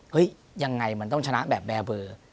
ยังไงมันต้องชนะแบบแบร์เบอร์